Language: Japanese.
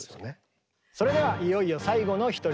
それではいよいよ最後の一人でございます。